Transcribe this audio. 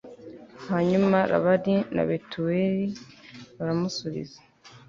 hanyuma labani na betuweli baramusubiza